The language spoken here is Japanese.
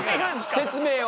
説明を。